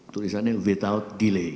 tulisannya without delay